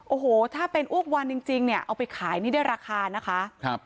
โอ้โหถ้าเป็นอ้วกวันจริงเนี่ยเอาไปขายนี่ได้ราคานะคะครับ